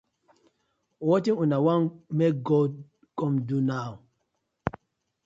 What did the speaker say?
Wetin una wan mek God com do naw?